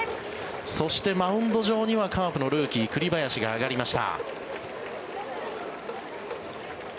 そしてマウンド上にはカープのルーキー栗林が上がりました。